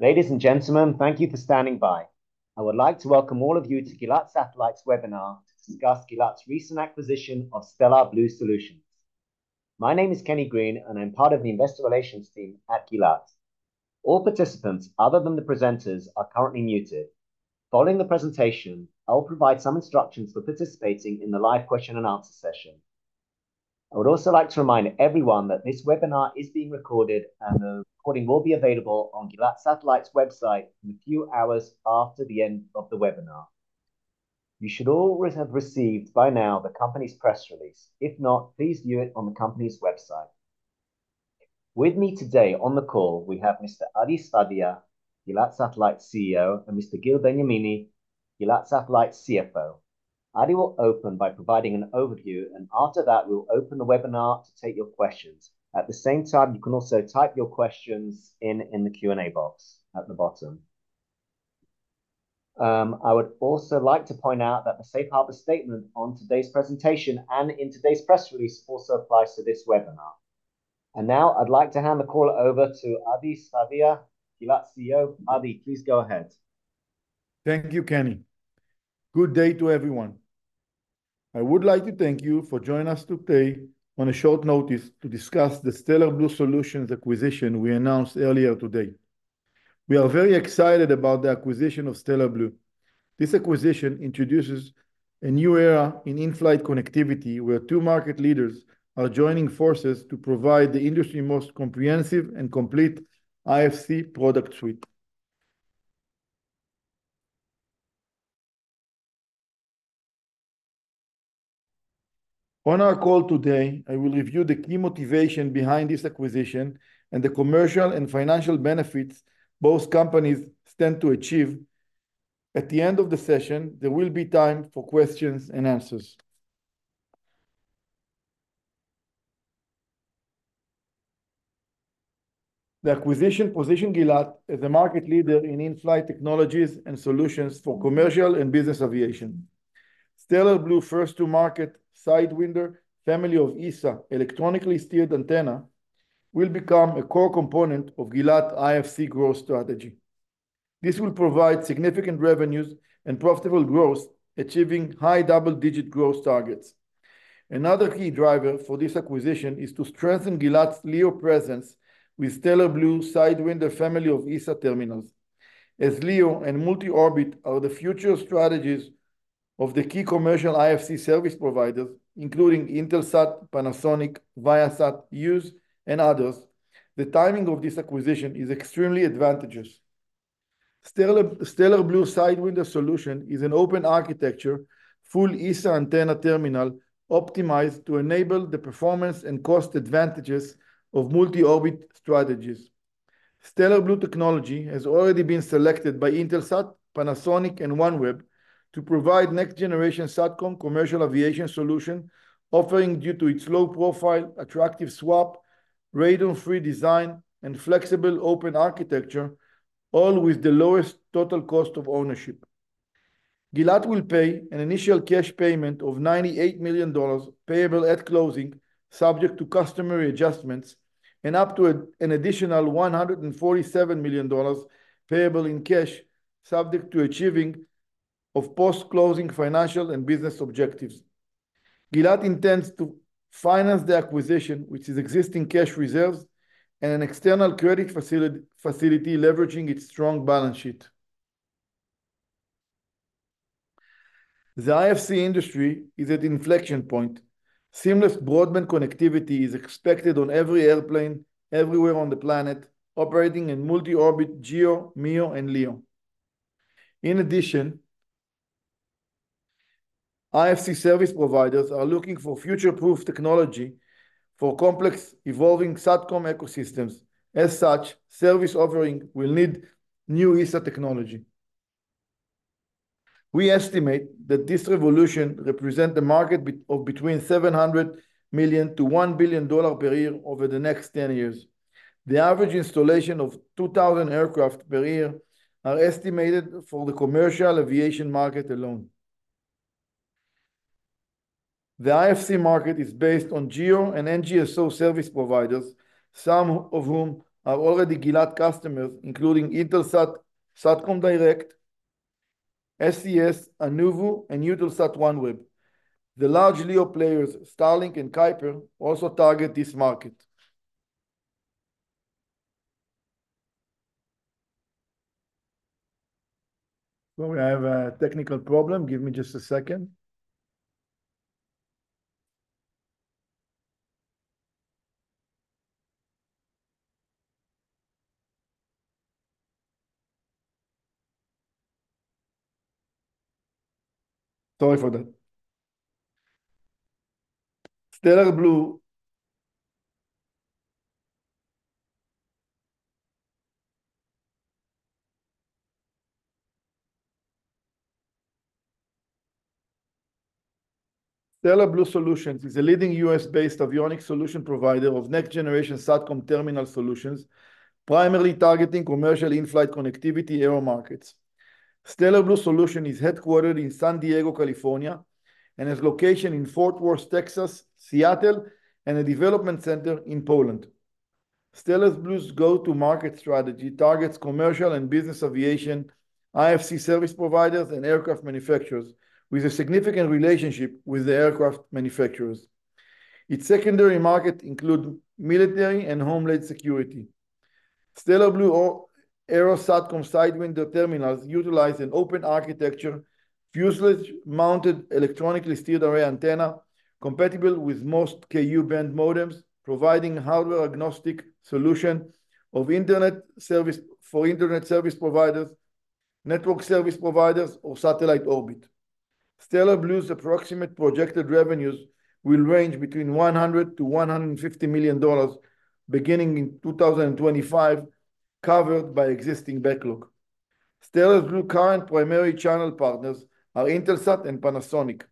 Ladies and gentlemen, thank you for standing by. I would like to welcome all of you to Gilat Satellite's webinar to discuss Gilat's recent acquisition of Stellar Blu Solutions. My name is Kenny Green, and I'm part of the investor relations team at Gilat. All participants, other than the presenters, are currently muted. Following the presentation, I will provide some instructions for participating in the live question and answer session. I would also like to remind everyone that this webinar is being recorded, and the recording will be available on Gilat Satellite's website in a few hours after the end of the webinar. You should all have received by now the company's press release. If not, please view it on the company's website. With me today on the call, we have Mr. Adi Sfadia, Gilat Satellite CEO, and Mr. Gil Benyamini, Gilat Satellite CFO. Adi Sfadia will open by providing an overview, and after that, we'll open the webinar to take your questions. At the same time, you can also type your questions in, in the Q&A box at the bottom. I would also like to point out that the safe harbor statement on today's presentation and in today's press release also applies to this webinar. And now, I'd like to hand the call over to Adi Sfadia, Gilat CEO. Adi, please go ahead. Thank you, Kenny. Good day to everyone. I would like to thank you for joining us today on a short notice to discuss the Stellar Blu Solutions acquisition we announced earlier today. We are very excited about the acquisition of Stellar Blu. This acquisition introduces a new era in in-flight connectivity, where two market leaders are joining forces to provide the industry's most comprehensive and complete IFC product suite. On our call today, I will review the key motivation behind this acquisition and the commercial and financial benefits both companies stand to achieve. At the end of the session, there will be time for questions and answers. The acquisition positions Gilat as a market leader in in-flight technologies and solutions for commercial and business aviation. Stellar Blu first to market Sidewinder family of ESA, electronically steered antenna, will become a core component of Gilat IFC growth strategy. This will provide significant revenues and profitable growth, achieving high double-digit growth targets. Another key driver for this acquisition is to strengthen Gilat's LEO presence with Stellar Blu Sidewinder family of ESA terminals. As LEO and multi-orbit are the future strategies of the key commercial IFC service providers, including Intelsat, Panasonic, Viasat, Hughes, and others, the timing of this acquisition is extremely advantageous. Stellar Blu Sidewinder solution is an open architecture, full ESA antenna terminal optimized to enable the performance and cost advantages of multi-orbit strategies. Stellar Blu technology has already been selected by Intelsat, Panasonic, and OneWeb to provide next generation SatCom commercial aviation solution, offering due to its low profile, attractive SWaP, radome-free design, and flexible open architecture, all with the lowest total cost of ownership. Gilat will pay an initial cash payment of $98 million, payable at closing, subject to customary adjustments, and up to an additional $147 million, payable in cash, subject to achieving of post-closing financial and business objectives. Gilat intends to finance the acquisition, which is existing cash reserves and an external credit facility leveraging its strong balance sheet. The IFC industry is at inflection point. Seamless broadband connectivity is expected on every airplane, everywhere on the planet, operating in multi-orbit GEO, MEO, and LEO. In addition, IFC service providers are looking for future-proof technology for complex, evolving SatCom ecosystems. As such, service offering will need new ESA technology. We estimate that this revolution represents the market of between $700 million-$1 billion per year over the next 10 years. The average installation of 2,000 aircraft per year are estimated for the commercial aviation market alone. The IFC market is based on GEO and NGSO service providers, some of whom are already Gilat customers, including Intelsat, Satcom Direct, SES, Anuvu, and Eutelsat OneWeb. The large LEO players, Starlink and Kuiper, also target this market. Well, we have a technical problem. Give me just a second. Sorry for that. Stellar Blu... Stellar Blu Solutions is a leading U.S.-based avionics solution provider of next-generation SatCom terminal solutions, primarily targeting commercial in-flight connectivity aero markets. Stellar Blu Solutions is headquartered in San Diego, California, and has location in Fort Worth, Texas, Seattle, and a development center in Poland.... Stellar Blu's go-to-market strategy targets commercial and business aviation, IFC service providers, and aircraft manufacturers, with a significant relationship with the aircraft manufacturers. Its secondary market include military and homeland security. Stellar Blu's Aero SATCOM Sidewinder terminals utilize an open architecture, fuselage-mounted, electronically steered array antenna, compatible with most Ku-band modems, providing hardware-agnostic solution for internet service providers, network service providers, or satellite orbit. Stellar Blu's approximate projected revenues will range between $100 million-$150 million, beginning in 2025, covered by existing backlog. Stellar Blu's current primary channel partners are Intelsat and Panasonic.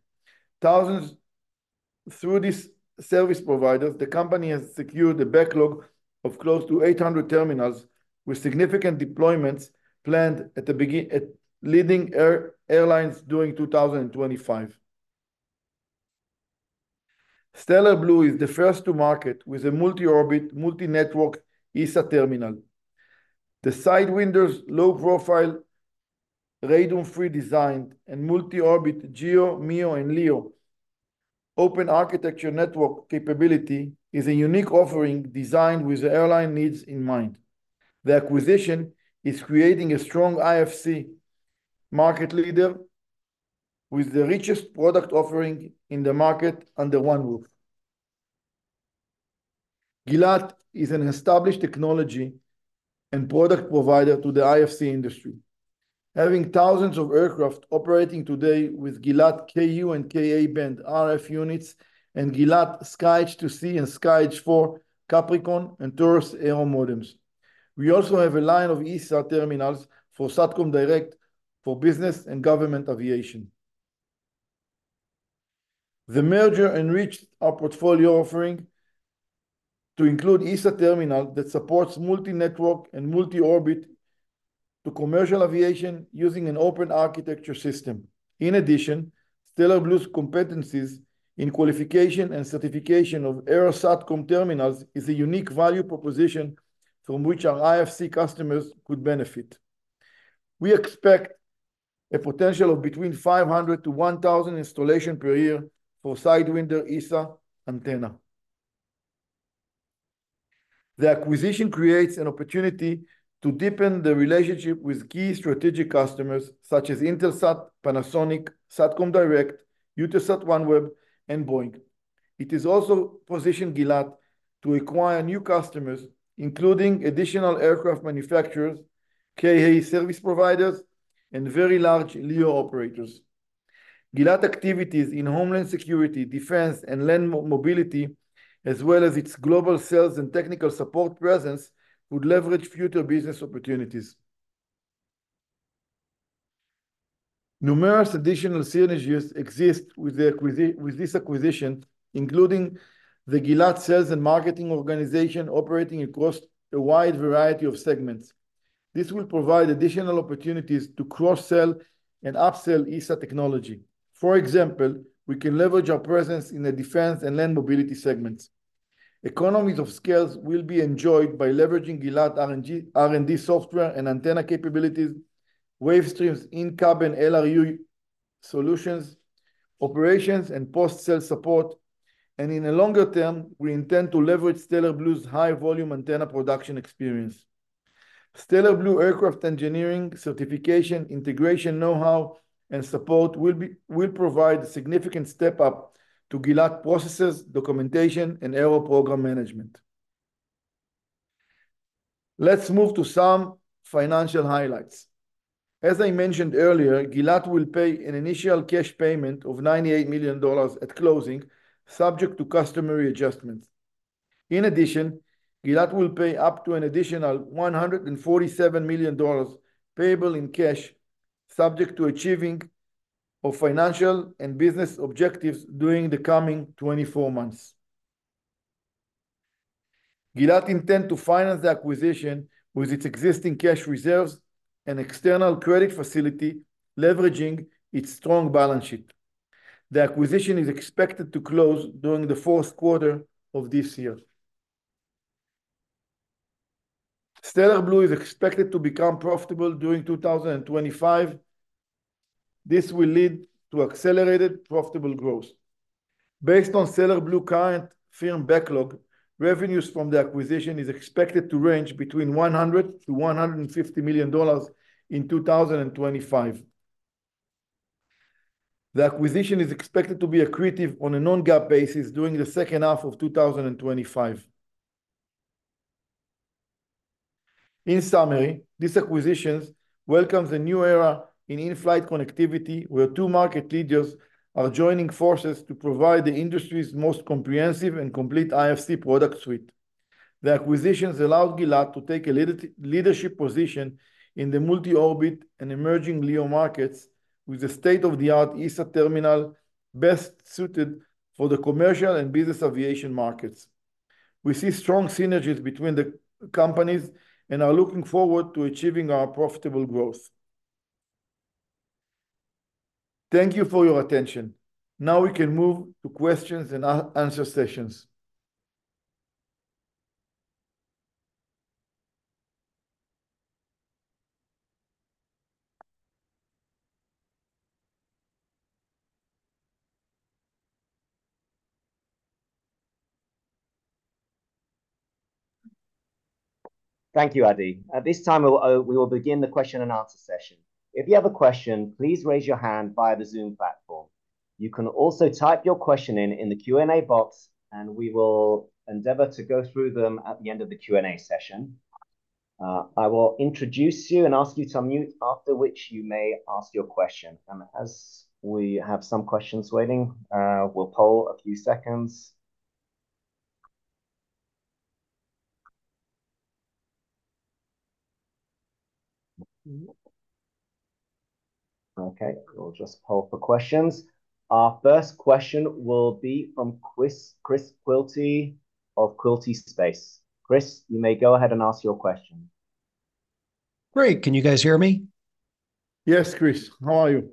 Through these service providers, the company has secured a backlog of close to 800 terminals, with significant deployments planned at leading airlines during 2025. Stellar Blu is the first to market with a multi-orbit, multi-network ESA terminal. The Sidewinder's low profile, radome-free design, and multi-orbit GEO, MEO, and LEO open architecture network capability is a unique offering designed with the airline needs in mind. The acquisition is creating a strong IFC market leader with the richest product offering in the market under one roof. Gilat is an established technology and product provider to the IFC industry, having thousands of aircraft operating today with Gilat Ku- and Ka-band RF units and Gilat SkyEdge II-c and SkyEdge IV, Capricorn, and Taurus Aero modems. We also have a line of ESA terminals for Satcom Direct for business and government aviation. The merger enriched our portfolio offering to include ESA terminal that supports multi-network and multi-orbit to commercial aviation using an open architecture system. In addition, Stellar Blu's competencies in qualification and certification of Aero SATCOM terminals is a unique value proposition from which our IFC customers could benefit. We expect a potential of between 500-1,000 installations per year for Sidewinder ESA antenna. The acquisition creates an opportunity to deepen the relationship with key strategic customers such as Intelsat, Panasonic, Satcom Direct, Eutelsat OneWeb, and Boeing. It is also positioned Gilat to acquire new customers, including additional aircraft manufacturers, Ka service providers, and very large LEO operators. Gilat activities in homeland security, defense, and land mobility, as well as its global sales and technical support presence, would leverage future business opportunities. Numerous additional synergies exist with this acquisition, including the Gilat sales and marketing organization operating across a wide variety of segments. This will provide additional opportunities to cross-sell and up-sell ESA technology. For example, we can leverage our presence in the defense and land mobility segments. Economies of scales will be enjoyed by leveraging Gilat R&D software and antenna capabilities, Wavestream in-cabin LRU solutions, operations, and post-sale support. In the longer term, we intend to leverage Stellar Blu's high-volume antenna production experience. Stellar Blu aircraft engineering, certification, integration know-how, and support will provide a significant step up to Gilat processes, documentation, and aero program management. Let's move to some financial highlights. As I mentioned earlier, Gilat will pay an initial cash payment of $98 million at closing, subject to customary adjustments. In addition, Gilat will pay up to an additional $147 million, payable in cash, subject to achieving of financial and business objectives during the coming 24 months. Gilat intend to finance the acquisition with its existing cash reserves and external credit facility, leveraging its strong balance sheet. The acquisition is expected to close during the fourth quarter of this year. Stellar Blu is expected to become profitable during 2025. This will lead to accelerated profitable growth. Based on Stellar Blu's current firm backlog, revenues from the acquisition is expected to range between $100 million-$150 million in 2025. The acquisition is expected to be accretive on a non-GAAP basis during the second half of 2025. In summary, this acquisition welcomes a new era in in-flight connectivity, where two market leaders are joining forces to provide the industry's most comprehensive and complete IFC product suite. The acquisition allows Gilat to take a leadership position in the multi-orbit and emerging LEO markets with a state-of-the-art ESA terminal, best suited for the commercial and business aviation markets. We see strong synergies between the companies and are looking forward to achieving our profitable growth... Thank you for your attention. Now we can move to questions and answer sessions. Thank you, Adi. At this time, we'll, we will begin the question and answer session. If you have a question, please raise your hand via the Zoom platform. You can also type your question in the Q&A box, and we will endeavor to go through them at the end of the Q&A session. I will introduce you and ask you to unmute, after which you may ask your question. And as we have some questions waiting, we'll poll a few seconds. Okay, we'll just poll for questions. Our first question will be from Chris Quilty of Quilty Space. Chris, you may go ahead and ask your question. Great. Can you guys hear me? Yes, Chris. How are you?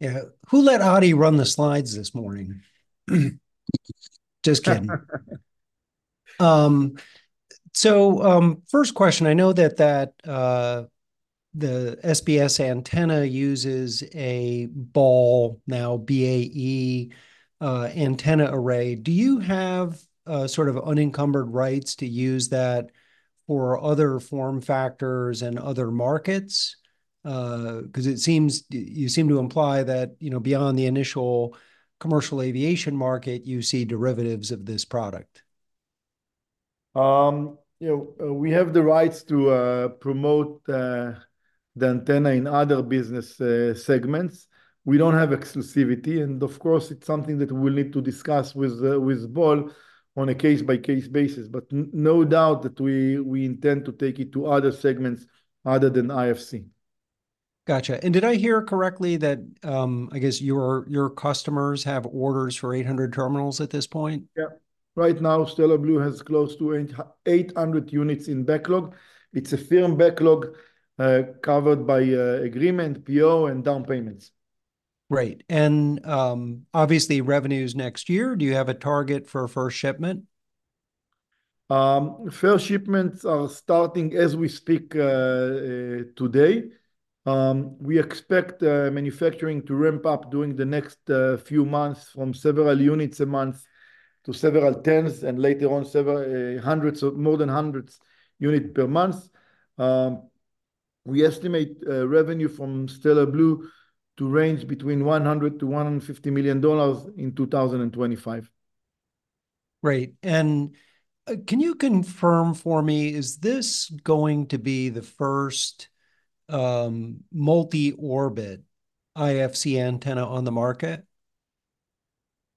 Yeah. Who let Adi run the slides this morning? Just kidding. So, first question, I know that the SBS antenna uses a Ball, now BAE, antenna array. Do you have sort of unencumbered rights to use that for other form factors and other markets? Because it seems you seem to imply that, you know, beyond the initial commercial aviation market, you see derivatives of this product. You know, we have the rights to promote the antenna in other business segments. We don't have exclusivity, and of course, it's something that we'll need to discuss with Ball on a case-by-case basis. But no doubt that we intend to take it to other segments other than IFC. Gotcha. And did I hear correctly that, I guess your, your customers have orders for 800 terminals at this point? Yeah. Right now, Stellar Blu has close to 800 units in backlog. It's a firm backlog, covered by agreement, PO, and down payments. Great. Obviously, revenue is next year. Do you have a target for first shipment? First shipments are starting as we speak, today. We expect manufacturing to ramp up during the next few months from several units a month to several tens, and later on, several hundreds of more than hundreds unit per month. We estimate revenue from Stellar Blu to range between $100 million-$150 million in 2025. Great. Can you confirm for me, is this going to be the first multi-orbit IFC antenna on the market?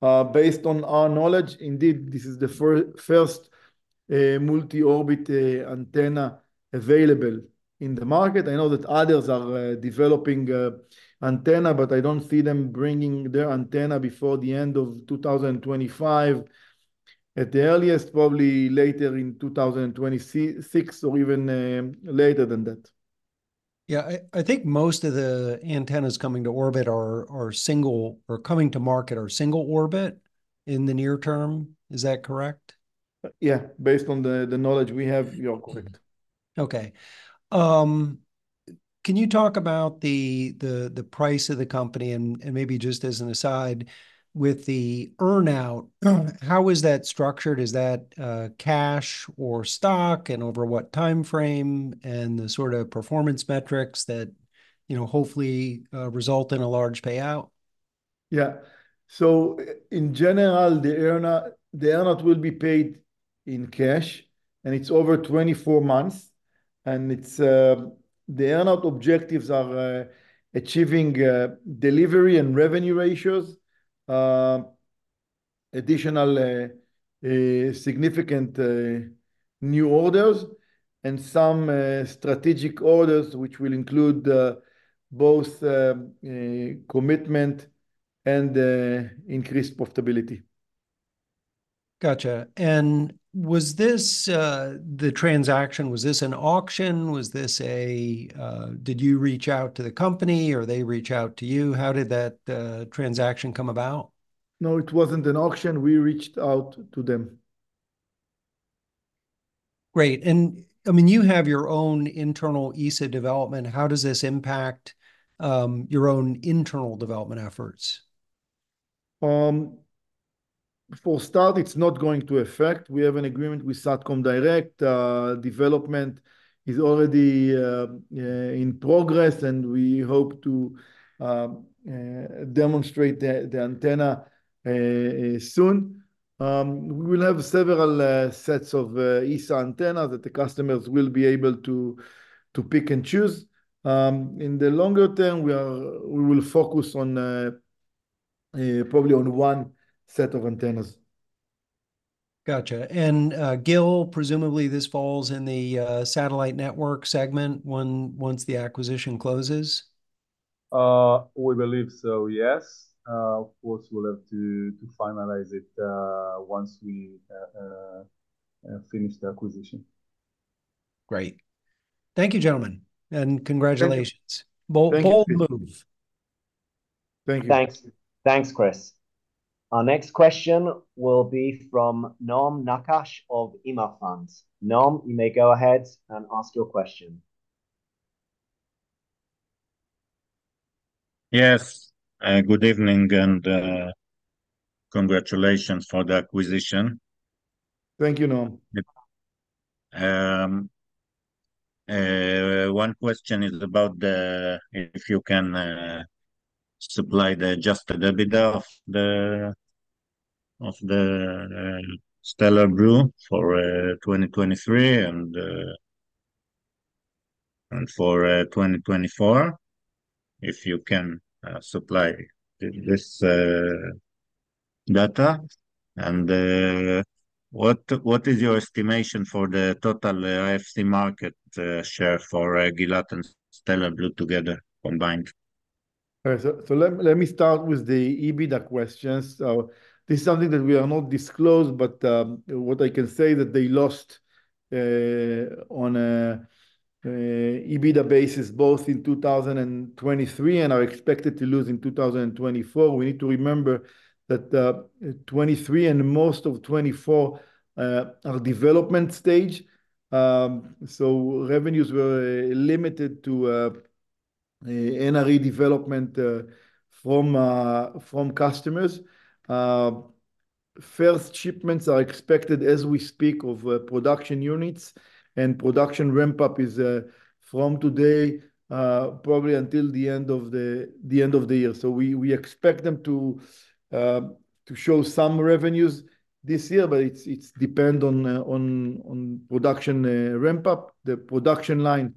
Based on our knowledge, indeed, this is the first multi-orbit antenna available in the market. I know that others are developing antenna, but I don't see them bringing their antenna before the end of 2025, at the earliest, probably later in 2026 or even later than that. Yeah, I think most of the antennas coming to orbit are single... or coming to market are single orbit in the near term. Is that correct? Yeah. Based on the knowledge we have, yeah, correct. Okay. Can you talk about the price of the company? And maybe just as an aside, with the earn-out, how is that structured? Is that cash or stock, and over what time frame, and the sort of performance metrics that, you know, hopefully result in a large payout? Yeah. So in general, the earn-out, the earn-out will be paid in cash, and it's over 24 months, and it's the earn-out objectives are achieving delivery and revenue ratios, additional significant new orders, and some strategic orders, which will include both commitment and increased profitability. Gotcha. And was this the transaction, was this an auction? Was this a, did you reach out to the company, or they reach out to you? How did that transaction come about? No, it wasn't an auction. We reached out to them. Great, and I mean, you have your own internal ESA development. How does this impact your own internal development efforts? For start, it's not going to affect. We have an agreement with Satcom Direct. Development is already in progress, and we hope to demonstrate the antenna soon. We will have several sets of ESA antenna that the customers will be able to pick and choose. In the longer term, we are- we will focus on probably on one set of antennas. Gotcha. And, Gil, presumably, this falls in the satellite network segment, once the acquisition closes? We believe so, yes. Of course, we'll have to finalize it, finish the acquisition.... Great. Thank you, gentlemen, and congratulations. Thank you. Bold, bold move. Thank you. Thanks. Thanks, Chris. Our next question will be from Noam Nakash of IMA Funds. Noam, you may go ahead and ask your question. Yes, good evening, and congratulations for the acquisition. Thank you, Noam. Yep. One question is about the, if you can supply the Adjusted EBITDA of the, of the Stellar Blu for 2023, and, and for 2024, if you can supply this data. And, what, what is your estimation for the total IFC market share for Gilat and Stellar Blu together, combined? All right, so let me start with the EBITDA question. So this is something that we are not disclosed, but what I can say that they lost on a EBITDA basis, both in 2023, and are expected to lose in 2024. We need to remember that 2023 and most of 2024 are development stage. So revenues were limited to NRE development from customers. First shipments are expected, as we speak, of production units, and production ramp-up is from today, probably until the end of the year. So we expect them to show some revenues this year, but it's depend on production ramp-up. The production line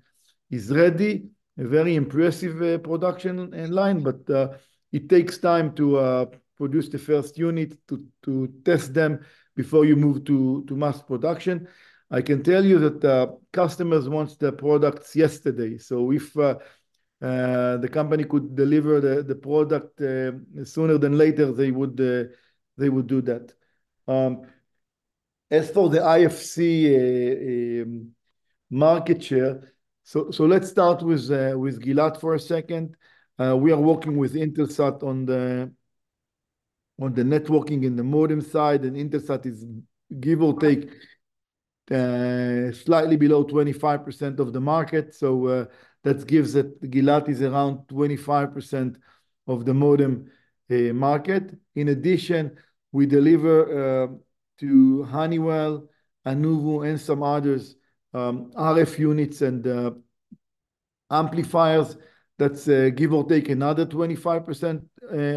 is ready, a very impressive production in line, but it takes time to produce the first unit, to test them before you move to mass production. I can tell you that customers wants the products yesterday, so if the company could deliver the product sooner than later, they would they would do that. As for the IFC market share, so let's start with Gilat for a second. We are working with Intelsat on the networking and the modem side, and Intelsat is give or take slightly below 25% of the market. So that gives that Gilat is around 25% of the modem market. In addition, we deliver to Honeywell, Anuvu, and some others, RF units and amplifiers, that's give or take another 25%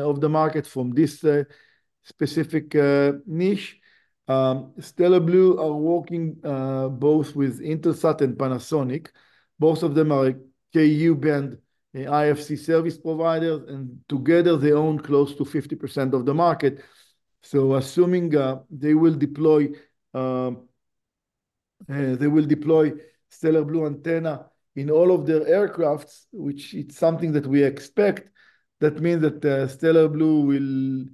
of the market from this specific niche. Stellar Blu are working both with Intelsat and Panasonic. Both of them are Ku-band IFC service providers, and together they own close to 50% of the market. So assuming they will deploy Stellar Blu antenna in all of their aircrafts, which it's something that we expect, that means that Stellar Blu will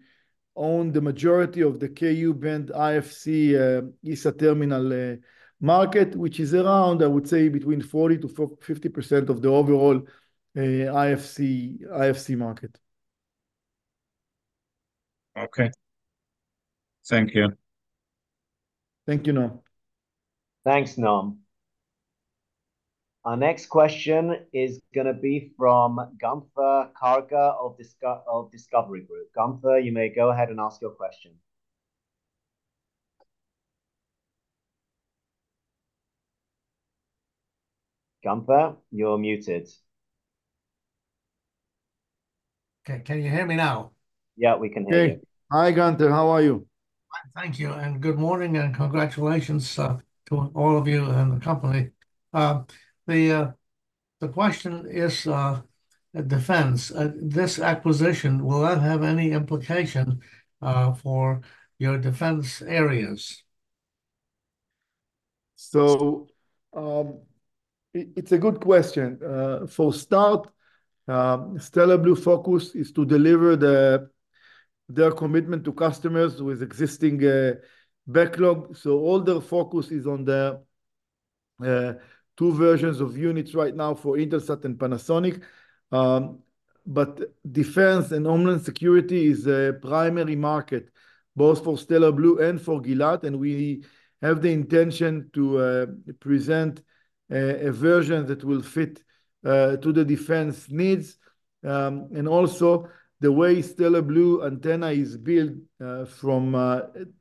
own the majority of the Ku-band IFC ESA terminal market, which is around, I would say, between 40%-50% of the overall IFC market. Okay. Thank you. Thank you, Noam. Thanks, Noam. Our next question is gonna be from Gunther Karger of Discovery Group. Gunther, you may go ahead and ask your question. Gunther, you're muted. Okay. Can you hear me now? Yeah, we can hear you. Hey. Hi, Gunther. How are you? Thank you, and good morning, and congratulations to all of you and the company. The question is defense. This acquisition, will that have any implication for your defense areas? So, it's a good question. For starters, Stellar Blu focus is to deliver their commitment to customers with existing backlog, so all the focus is on the two versions of units right now for Intelsat and Panasonic. But defense and homeland security is a primary market, both for Stellar Blu and for Gilat, and we have the intention to present a version that will fit to the defense needs. And also, the way Stellar Blu antenna is built from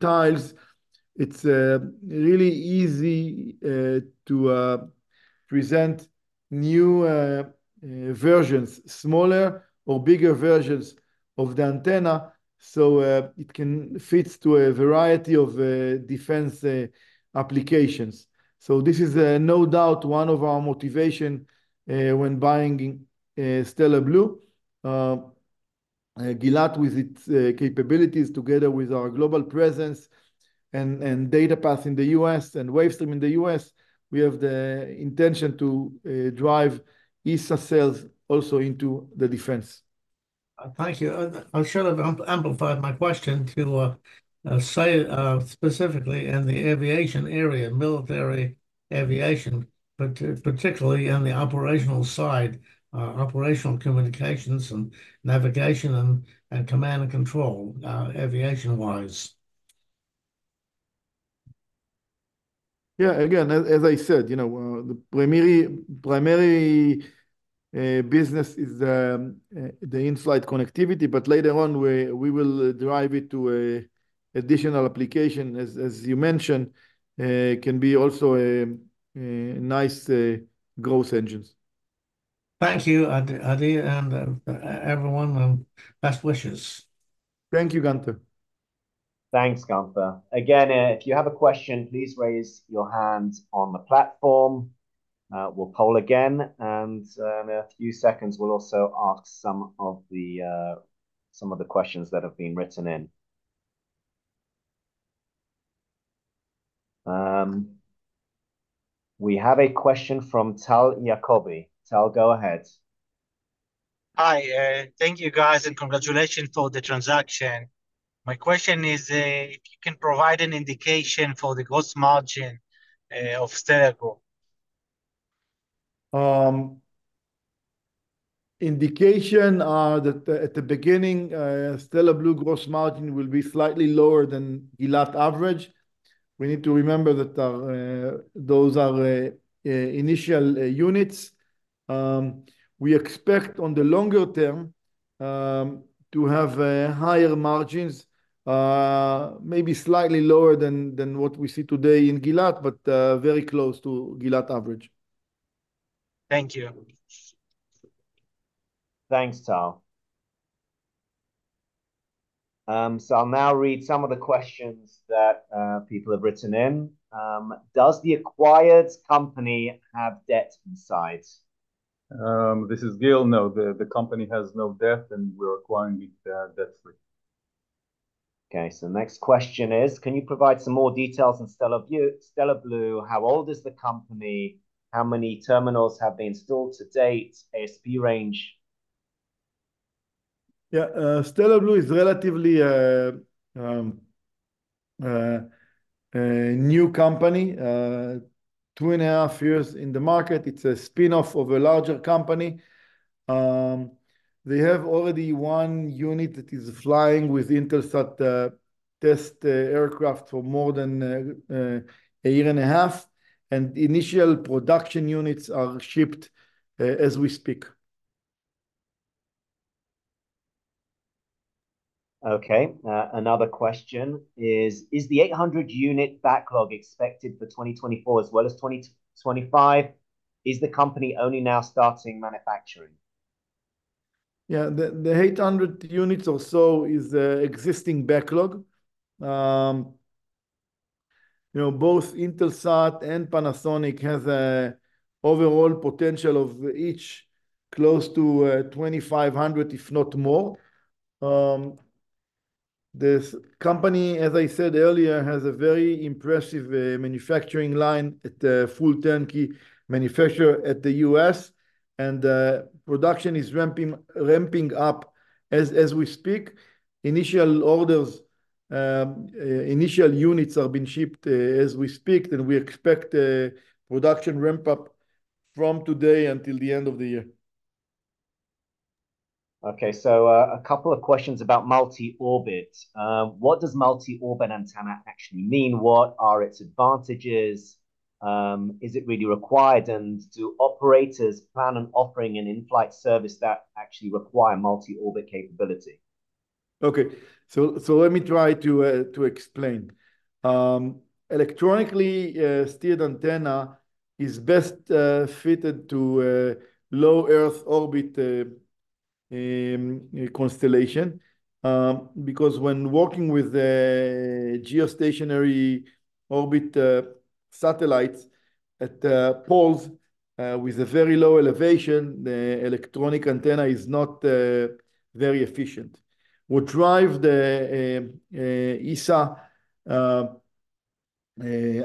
tiles, it's really easy to present new versions, smaller or bigger versions of the antenna, so it can fit to a variety of defense applications. So this is no doubt one of our motivations when buying Stellar Blu. Gilat, with its capabilities, together with our global presence and DataPath in the U.S. and Wavestream in the U.S., we have the intention to drive ESA sales also into the defense.... Thank you. I should have amplified my question to say specifically in the aviation area, military aviation, but particularly on the operational side, operational communications and navigation and command and control, aviation-wise. Yeah, again, as I said, you know, the primary business is the in-flight connectivity, but later on, we will drive it to a additional application, as you mentioned, can be also a nice growth engines. Thank you, Adi, and everyone, best wishes. Thank you, Gunther. Thanks, Gunther. Again, if you have a question, please raise your hand on the platform. We'll poll again, and in a few seconds, we'll also ask some of the questions that have been written in. We have a question from Tal Yaacobi. Tal, go ahead. Hi, thank you, guys, and congratulations for the transaction. My question is, if you can provide an indication for the gross margin, of Stellar Blu? Indication that at the beginning, Stellar Blu gross margin will be slightly lower than Gilat average. We need to remember that, those are initial units. We expect on the longer term to have higher margins, maybe slightly lower than what we see today in Gilat, but very close to Gilat average. Thank you. Thanks, Tal. I'll now read some of the questions that people have written in. Does the acquired company have debt in sight? This is Gil. No, the company has no debt, and we're acquiring it, debt-free. Okay, so next question is, can you provide some more details on Stellar Blu, Stellar Blu? How old is the company? How many terminals have been installed to date? ASP range. Yeah, Stellar Blu is relatively a new company, 2.5 years in the market. It's a spin-off of a larger company. They have already one unit that is flying with Intelsat test aircraft for more than 1.5 years, and initial production units are shipped as we speak. Okay, another question is, is the 800 unit backlog expected for 2024 as well as 2025? Is the company only now starting manufacturing? Yeah, the 800 units or so is the existing backlog. You know, both Intelsat and Panasonic has an overall potential of each close to 2,500, if not more. This company, as I said earlier, has a very impressive manufacturing line at the full turnkey manufacturer in the U.S., and production is ramping up as we speak. Initial units are being shipped as we speak, and we expect a production ramp-up from today until the end of the year. Okay, so, a couple of questions about multi-orbit. What does multi-orbit antenna actually mean? What are its advantages? Is it really required, and do operators plan on offering an in-flight service that actually require multi-orbit capability? Okay. So let me try to explain. Electronically steered antenna is best fitted to a low earth orbit constellation because when working with the geostationary orbit satellites at the poles with a very low elevation, the electronic antenna is not very efficient. What drive the ESA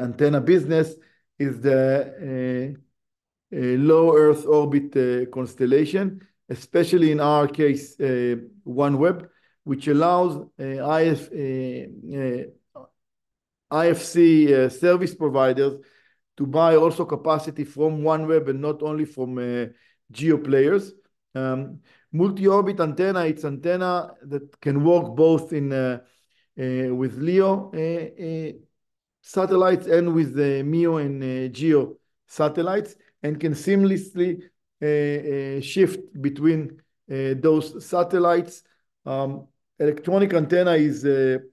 antenna business is a low earth orbit constellation, especially in our case, OneWeb, which allows IFC service providers to buy also capacity from OneWeb and not only from GEO players. Multi-orbit antenna, it's antenna that can work both with LEO satellites and with the MEO and GEO satellites, and can seamlessly shift between those satellites. Electronic antenna is an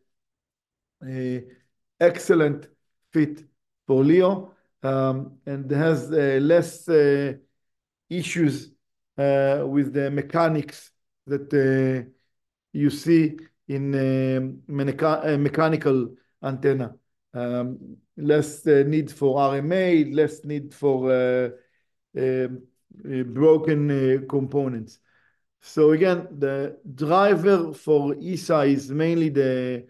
excellent fit for LEO, and has less issues with the mechanics that you see in mechanical antenna. Less need for RMA, less need for broken components. So again, the driver for ESA is mainly a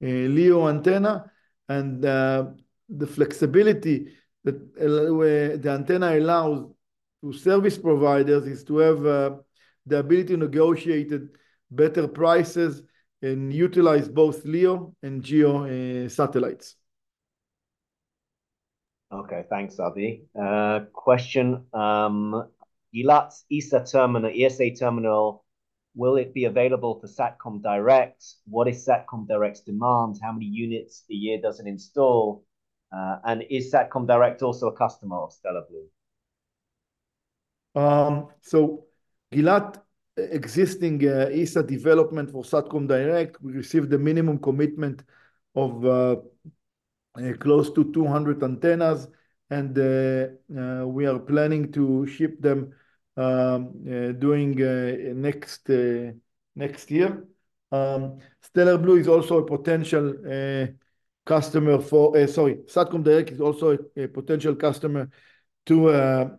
LEO antenna, and the flexibility that where the antenna allows to service providers is to have the ability to negotiate better prices and utilize both LEO and GEO satellites. Okay, thanks, Adi. Question, Gilat's ESA terminal, ESA terminal, will it be available for Satcom Direct? What is Satcom Direct's demand? How many units a year does it install? And is Satcom Direct also a customer of Stellar Blu? So Gilat existing ESA development for Satcom Direct, we received a minimum commitment of close to 200 antennas, and we are planning to ship them during next year. Stellar Blu is also a potential customer for, sorry, Satcom Direct is also a potential customer to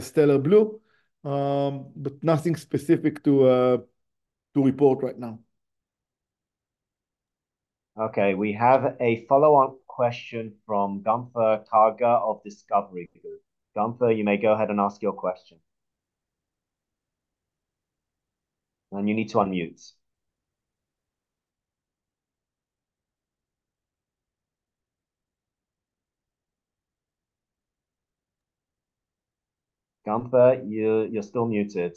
Stellar Blu. But nothing specific to report right now. Okay, we have a follow-up question from Gunther Karger of Discovery Group. Gunther, you may go ahead and ask your question. And you need to unmute. Gunther, you're still muted.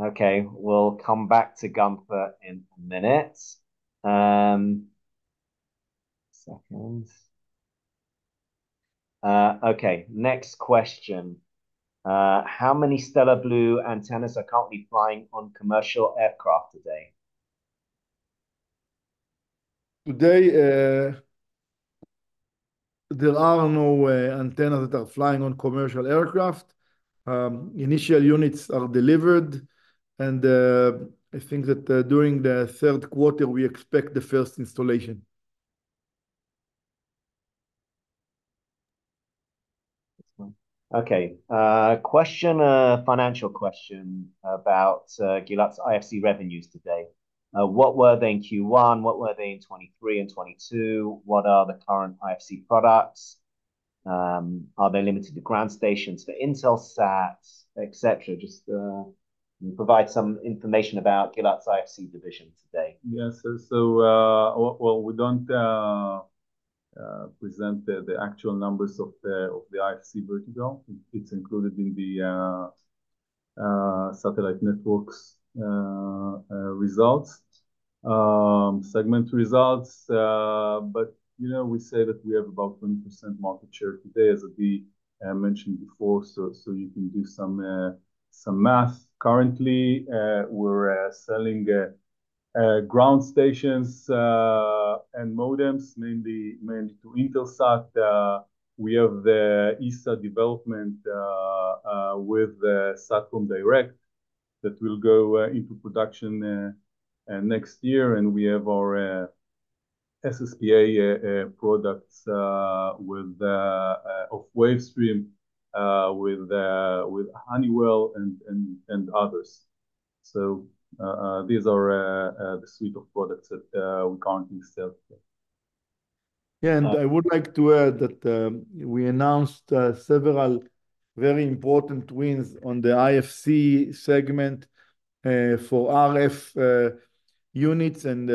Okay, we'll come back to Gunther in a minute. Okay, next question. How many Stellar Blu antennas are currently flying on commercial aircraft today? Today, there are no antennas that are flying on commercial aircraft. Initial units are delivered, and I think that during the third quarter, we expect the first installation. Okay. Question, a financial question about Gilat's IFC revenues today. What were they in Q1? What were they in 2023 and 2022? What are the current IFC products? Are they limited to ground stations for Intelsat's, et cetera? Just provide some information about Gilat's IFC division today. Yes, so, well, we don't present the actual numbers of the IFC vertical. It's included in the satellite networks results, segment results. But, you know, we say that we have about 20% market share today, as Adi mentioned before, so you can do some math. Currently, we're selling ground stations and modems, mainly to Intelsat. We have the ESA development with Satcom Direct that will go into production next year, and we have our SSPA products with Wavestream, with Honeywell and others. So, these are the suite of products that we currently sell. Yeah, and I would like to add that, we announced several very important wins on the IFC segment, for RF units and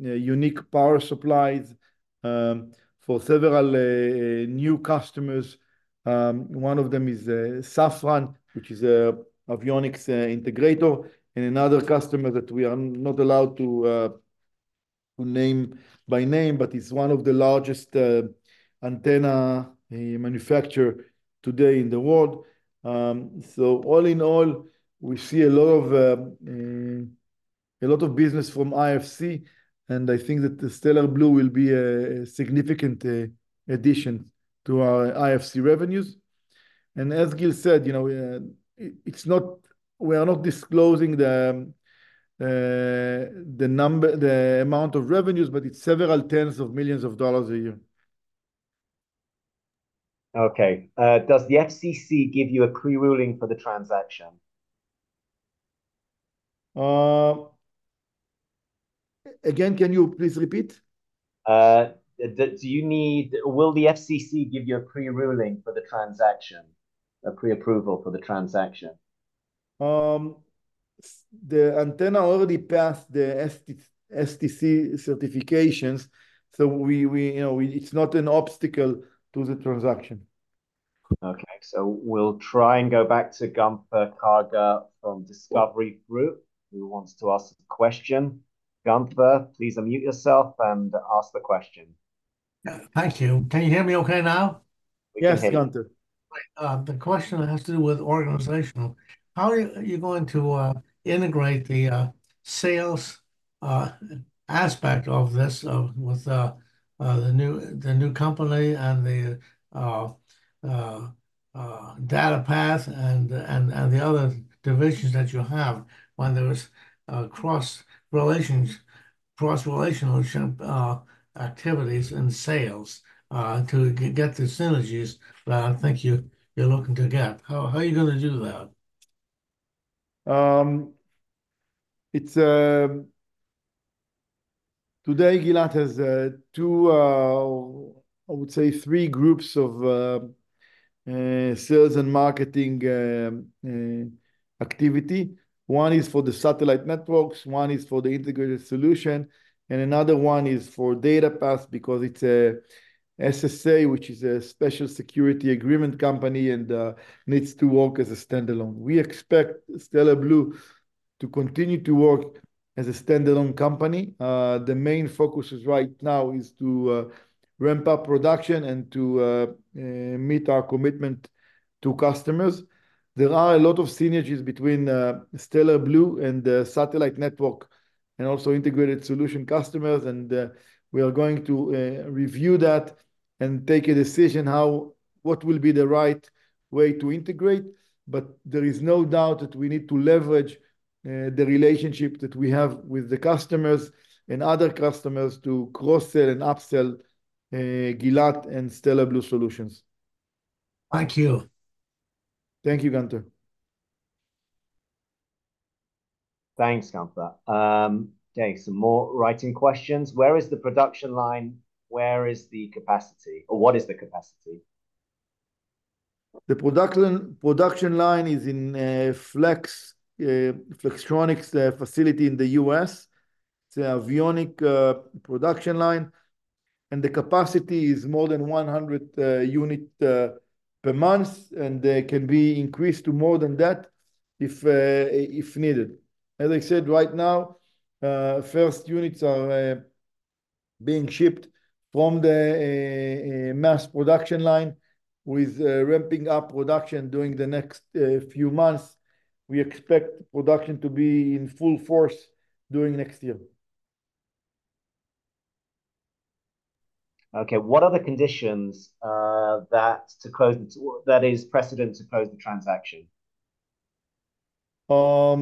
unique power supplies, for several new customers. One of them is Safran, which is an avionics integrator, and another customer that we are not allowed to name by name, but is one of the largest antenna manufacturer today in the world. So all in all, we see a lot of a lot of business from IFC, and I think that the Stellar Blu will be a significant addition to our IFC revenues. And as Gil said, you know, it's not, we are not disclosing the number, the amount of revenues, but it's several tens of millions dollar a year. Okay. Does the FCC give you a pre-ruling for the transaction? Again, can you please repeat? Do you need... Will the FCC give you a pre-ruling for the transaction, a pre-approval for the transaction? So, the antenna already passed the STC certifications, so we, you know, it's not an obstacle to the transaction. Okay, so we'll try and go back to Gunther Karger from Discovery Group, who wants to ask a question. Gunther, please unmute yourself and ask the question. Thank you. Can you hear me okay now? Yes, Gunther. The question has to do with organizational. How are you going to integrate the sales aspect of this with the new company and the DataPath and the other divisions that you have when there is cross-relationship activities and sales to get the synergies that I think you're looking to get. How are you gonna do that? Today, Gilat has two, or I would say three groups of sales and marketing activity. One is for the satellite networks, one is for the integrated solution, and another one is for DataPath, because it's a SSA, which is a special security agreement company, and needs to work as a standalone. We expect Stellar Blu to continue to work as a standalone company. The main focus right now is to ramp up production and to meet our commitment to customers. There are a lot of synergies between Stellar Blu and the satellite network, and also integrated solution customers, and we are going to review that and take a decision what will be the right way to integrate. But there is no doubt that we need to leverage the relationship that we have with the customers and other customers to cross-sell and up-sell Gilat and Stellar Blu Solutions. Thank you. Thank you, Gunther. Thanks, Gunther. Okay, some more writing questions. Where is the production line? Where is the capacity, or what is the capacity? The production line is in a Flex, Flextronics facility in the US. It's an avionic production line, and the capacity is more than 100 units per month, and they can be increased to more than that if needed. As I said, right now, first units are being shipped from the mass production line, with ramping up production during the next few months. We expect production to be in full force during next year. Okay, what are the conditions that are precedent to closing the transaction? There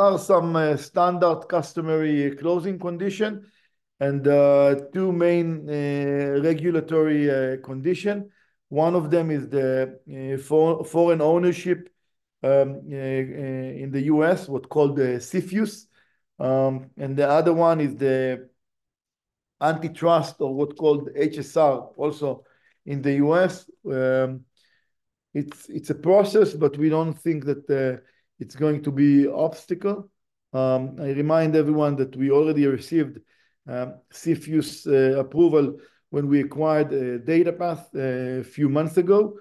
are some standard customary closing condition and two main regulatory condition. One of them is the foreign ownership in the U.S., what called the CFIUS. And the other one is the antitrust or what called HSR, also in the U.S. It's a process, but we don't think that it's going to be obstacle. I remind everyone that we already received CFIUS approval when we acquired DataPath a few months ago,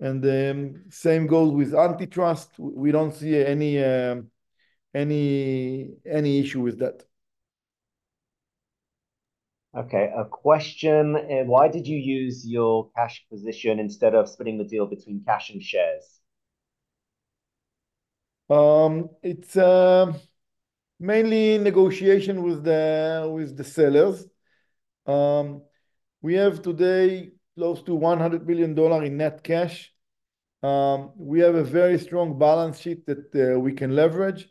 and then same goes with antitrust. We don't see any issue with that. Okay, a question: Why did you use your cash position instead of splitting the deal between cash and shares? It's mainly negotiation with the sellers. We have today close to $100 billion in net cash. We have a very strong balance sheet that we can leverage.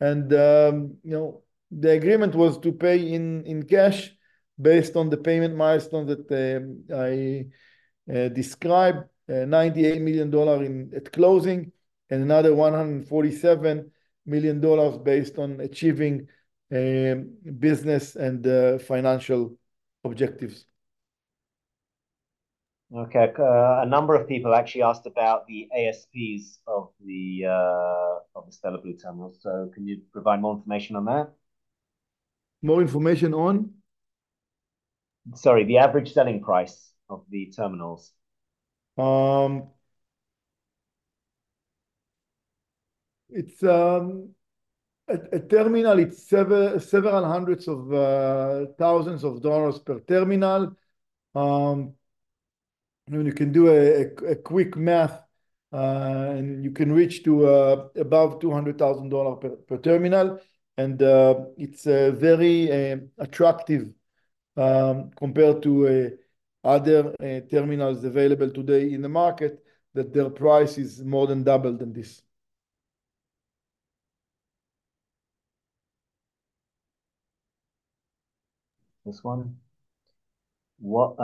You know, the agreement was to pay in cash based on the payment milestone that I described, $98 million at closing, and another $147 million based on achieving business and financial objectives. Okay. A number of people actually asked about the ASPs of the Stellar Blu terminals. So can you provide more information on that? More information on? Sorry, the average selling price of the terminals. It's a terminal, it's several hundreds of thousands of dollars per terminal. And you can do a quick math, and you can reach to above $200,000 per terminal. It's very attractive, compared to other terminals available today in the market, that their price is more than double than this. This one? What?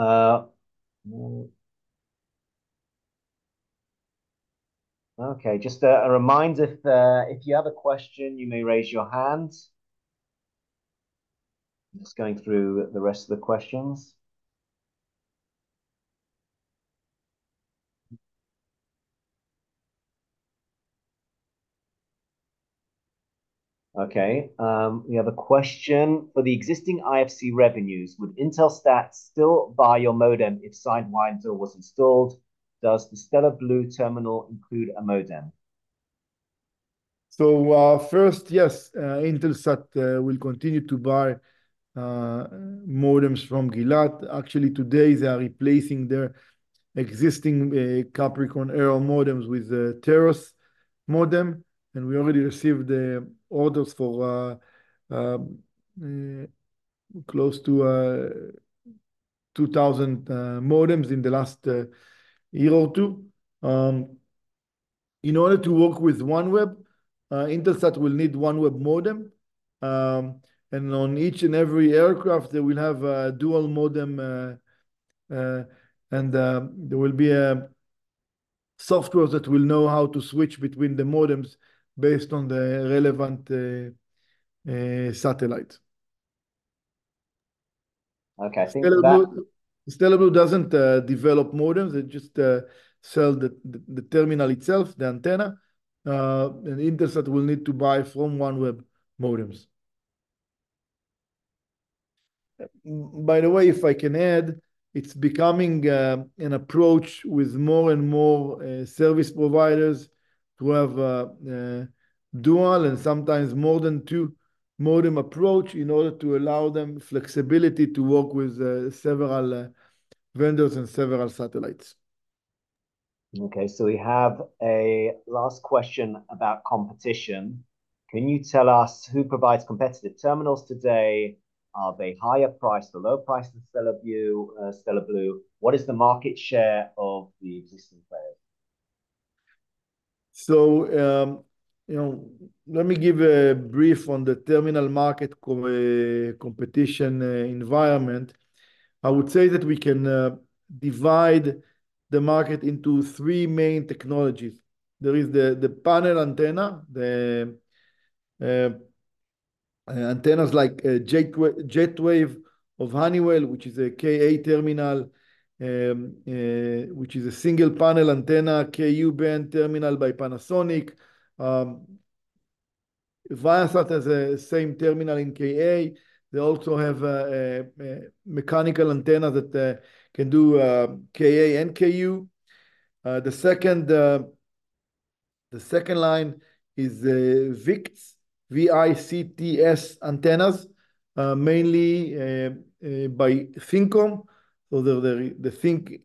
Okay, just a reminder, if you have a question, you may raise your hand. Just going through the rest of the questions. Okay, we have a question: For the existing IFC revenues, would Intelsat still buy your modem if Sidewinder was installed? Does the Stellar Blu terminal include a modem? So, first, yes, Intelsat will continue to buy modems from Gilat. Actually, today, they are replacing their existing Capricorn Aero modems with a Taurus modem, and we already received the orders for close to 2,000 modems in the last year or two. In order to work with OneWeb, Intelsat will need OneWeb modem. And on each and every aircraft, they will have dual modem, and there will be a software that will know how to switch between the modems based on the relevant satellite. Okay, I think that- Stellar Blu doesn't develop modems. They just sell the terminal itself, the antenna. And Intelsat will need to buy from OneWeb modems. By the way, if I can add, it's becoming an approach with more and more service providers to have dual and sometimes more than two modem approach in order to allow them flexibility to work with several vendors and several satellites. Okay, so we have a last question about competition. Can you tell us who provides competitive terminals today? Are they higher price or lower price than Stellar Blu, Stellar Blu? What is the market share of the existing players? So, you know, let me give a brief on the terminal market competition environment. I would say that we can divide the market into three main technologies. There is the panel antenna, the antennas like JetWave of Honeywell, which is a Ka terminal, which is a single panel antenna, Ku-band terminal by Panasonic. Viasat has the same terminal in Ka. They also have a mechanical antenna that can do Ka and Ku. The second line is VICTS, V-I-C-T-S antennas, mainly by ThinKom. So the ThinKom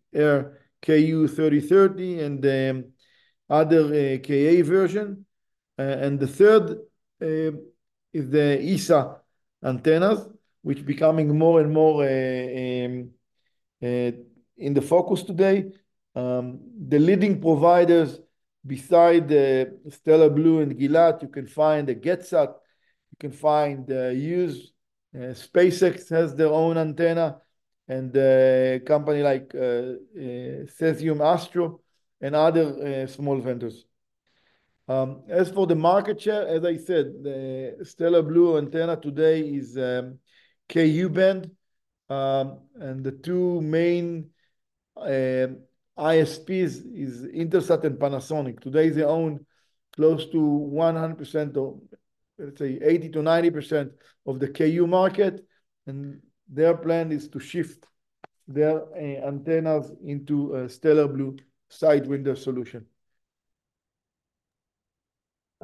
Ku3030 and the other Ka version. And the third is the ESA antennas, which becoming more and more in the focus today. The leading providers beside the Stellar Blu and Gilat, you can find the GetSAT, you can find, Hughes. SpaceX has their own antenna, and a company like, CesiumAstro and other, small vendors. As for the market share, as I said, the Stellar Blu antenna today is, Ku-band, and the two main, ISPs is Intelsat and Panasonic. Today, they own close to 100% or, let's say, 80%-90% of the Ku market, and their plan is to shift their, antennas into a Stellar Blu Sidewinder solution.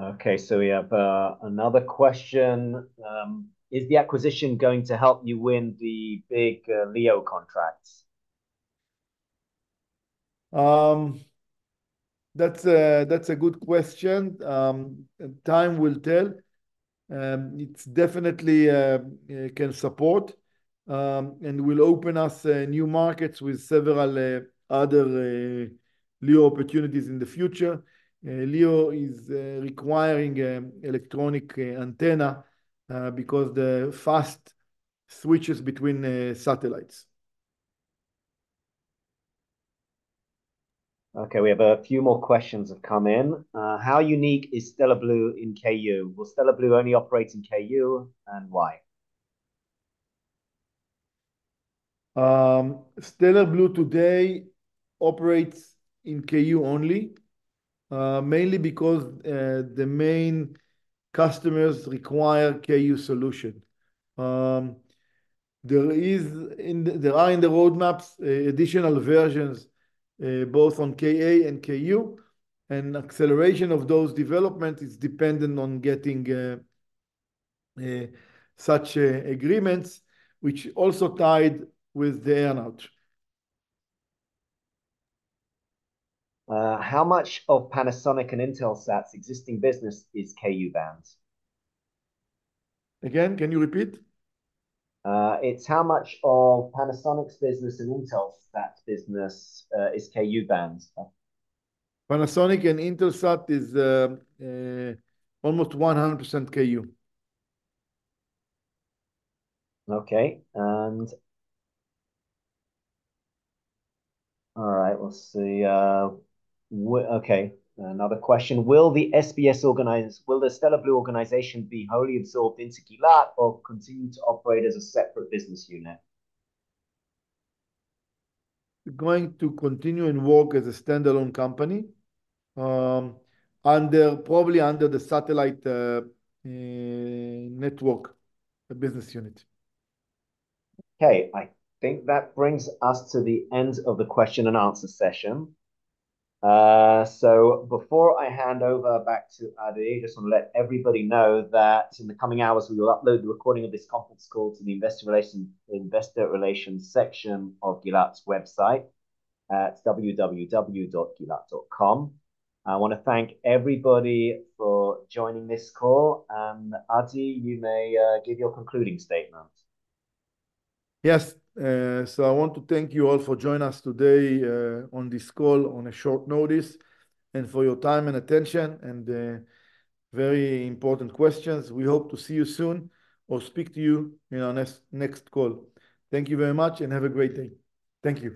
Okay, so we have another question. Is the acquisition going to help you win the big LEO contracts? That's a good question. Time will tell. It's definitely it can support and will open us new markets with several other LEO opportunities in the future. LEO is requiring electronic antenna because the fast switches between the satellites. Okay, we have a few more questions have come in. How unique is Stellar Blu in Ku? Well, Stellar Blu only operates in Ku, and why? Stellar Blu today operates in Ku only, mainly because the main customers require Ku solution. There are in the roadmaps additional versions, both on Ka and Ku, and acceleration of those development is dependent on getting such agreements, which also tied with the analog. How much of Panasonic and Intelsat's existing business is Ku-bands? Again, can you repeat? It's how much of Panasonic's business and Intelsat's business is Ku-bands? Panasonic and Intelsat is almost 100% Ku. Okay, and... All right, let's see, okay, another question: Will the Stellar Blu organization be wholly absorbed into Gilat or continue to operate as a separate business unit? Going to continue and work as a standalone company, under probably the satellite network, the business unit. Okay, I think that brings us to the end of the question and answer session. So before I hand over back to Adi, I just wanna let everybody know that in the coming hours, we will upload the recording of this conference call to the Investor Relations section of Gilat's website at www.gilat.com. I wanna thank everybody for joining this call, and, Adi, you may give your concluding statements. Yes, so I want to thank you all for joining us today, on this call on a short notice, and for your time and attention, and, very important questions. We hope to see you soon or speak to you in our next, next call. Thank you very much, and have a great day. Thank you.